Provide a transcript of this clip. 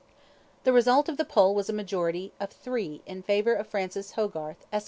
The result of the poll was a majority of three in favour of Francis Hogarth, Esq.